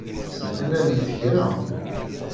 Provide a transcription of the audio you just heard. Ad narmet kra!